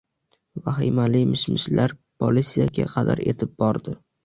Vahimali mishmishlar polisiyaga qadar etib bordi